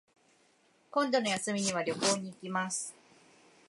今度の休みには旅行に行きます